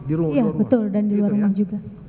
iya betul dan di luar rumah juga